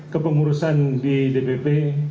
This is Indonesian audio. kepengurusan di dpp